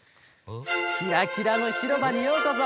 キラキラのひろばにようこそ。